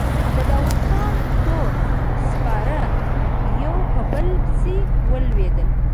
د داوودخان څو سپاره يو په بل پسې ولوېدل.